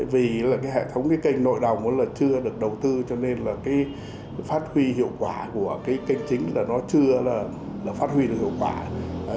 vì hệ thống kênh nội đồng chưa được đầu tư cho nên phát huy hiệu quả của kênh chính chưa phát huy được hiệu quả